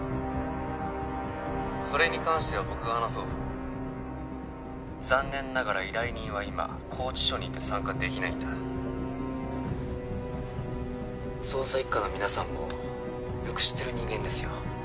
それに関しては僕が話そう残念ながら依頼人は今拘置所にいて参加できないんだ捜査一課の皆さんもよく知ってる人間ですよ